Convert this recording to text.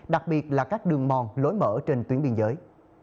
đặc biệt là các đường mòn lối mở trên tuyến biên giới